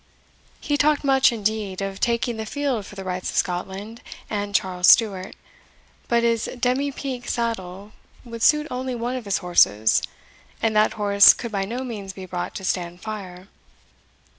He talked much, indeed, of taking the field for the rights of Scotland and Charles Stuart; but his demi pique saddle would suit only one of his horses; and that horse could by no means be brought to stand fire.